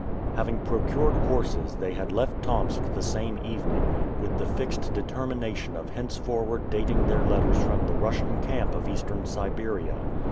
Having procured horses they had left Tomsk the same evening, with the fixed determination of henceforward dating their letters from the Russian camp of Eastern Siberia.